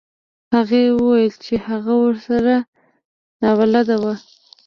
هغې وویل چې هغه ورسره نابلده و.